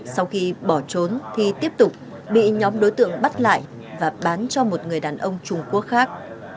sau khi bỏ trốn thì tiếp tục bị nhóm đối tượng bắt lại và bán cho một người đàn ông trung quốc khác